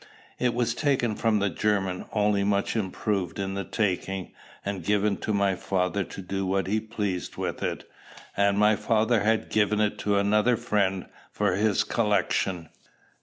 It was taken from the German, only much improved in the taking, and given to my father to do what he pleased with; and my father had given it to another friend for his collection.